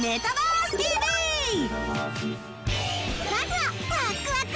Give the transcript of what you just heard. まずはワックワク！